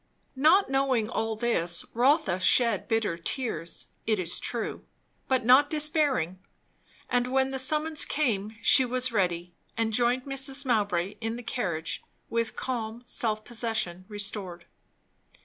Not knowing all this, Rotha shed bitter tears, it is true, but not despairing. And when the summons came, she was ready, and joined Mrs. Mowbray in the carriage with calm self possession restored.